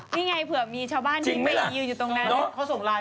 นี่ไงเผื่อมีชาวบ้านที่ไม่อยู่อยู่ตรงนั้น